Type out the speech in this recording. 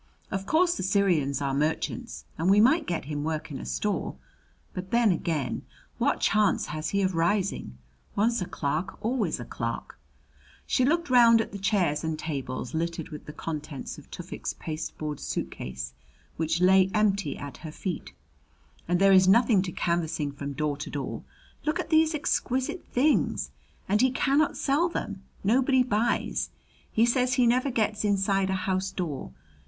Of course the Syrians are merchants, and we might get him work in a store. But then again what chance has he of rising? Once a clerk, always a clerk." She looked round at the chairs and tables, littered with the contents of Tufik's pasteboard suitcase, which lay empty at her feet. "And there is nothing to canvassing from door to door. Look at these exquisite things! and he cannot sell them. Nobody buys. He says he never gets inside a house door.